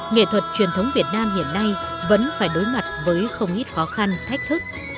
nghệ thuật truyền thống việt nam hiện nay vẫn phải đối mặt với không ít khó khăn thách thức